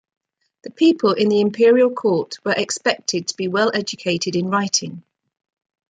The people in the imperial court were expected to be well educated in writing.